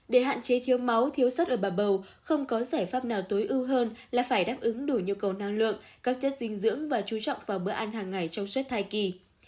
để hạn chế thiếu máu thiếu sắt ở bà bầu không có giải pháp nào tối ưu hơn là phải đáp ứng đủ nhu cầu năng lượng các chất dinh dưỡng và chú trọng vào bữa ăn hàng ngày trong suốt thai kỳ